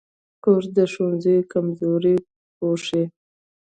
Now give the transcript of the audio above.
کورس د ښوونځي کمزوري پوښي.